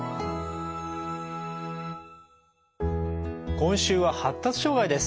今週は発達障害です。